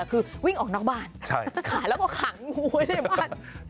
คือวิ่งออกนอกบ้านขายแล้วก็ขังงูไว้ในบ้าน